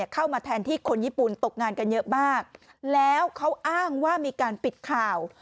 เข้ามาแทนที่คนญี่ปุ่นตกงานกันเยอะมากแล้วเขาอ้างว่ามีการปิดข่าว